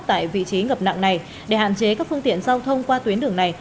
tại vị trí ngập nặng này để hạn chế các phương tiện giao thông qua tuyến đường này